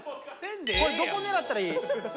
これどこ狙ったらいい？